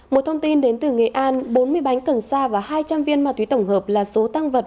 một thông tin đến từ nghệ an bốn mươi bánh cần sa và hai trăm linh viên ma túy tổng hợp là số tăng vật